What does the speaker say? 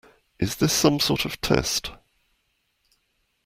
Is this some sort of test?